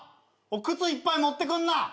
靴いっぱい持ってくんな！